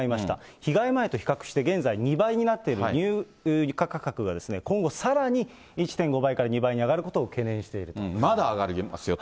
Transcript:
被害前と比較して現在２倍になっている入荷価格が今後さらに１．５倍から２倍に上がることを懸念まだ上がりますよと。